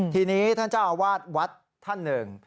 ทีนี้ท่านเจ้าอาวาสวัดท่านหนึ่ง